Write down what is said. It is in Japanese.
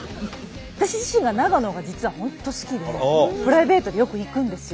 私自身が長野が実は本当好きでプライベートでよく行くんですよ。